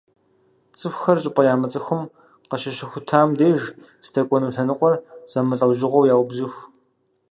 ЦӀыхухэр щӀыпӀэ ямыцӀыхум къыщыщыхутам деж здэкӀуэну лъэныкъуэр зэмылӀэужьыгъуэурэ яубзыху.